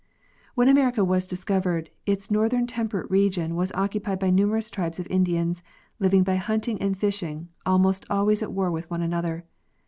When America was discovered its north temperate region was occupied by numerous tribes of Indians, living by hunting and fishing, almost always at war with one another.